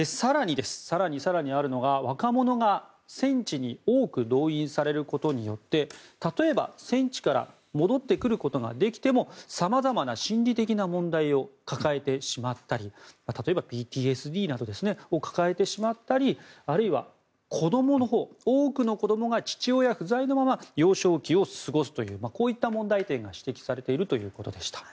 更にあるのが、若者が戦地に多く動員されることによって例えば、戦地から戻ってくることができても様々な心理的な問題を抱えてしまったり例えば、ＰＴＳＤなどを抱えてしまったりあるいは子どものほう多くの子どもが父親が不在のまま幼少期を過ごすというこういった問題点が指摘されているということでした。